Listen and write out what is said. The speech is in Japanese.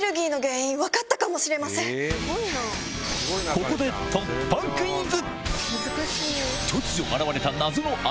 ここで突破クイズ！